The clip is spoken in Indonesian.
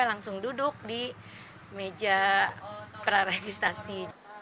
langsung duduk di meja praregistasi